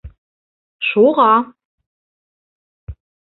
—Шуға.